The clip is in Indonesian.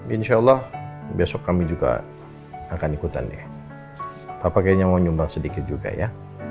insyaallah besok kami juga akan ikutan ya apa kayaknya mau nyumbang sedikit juga ya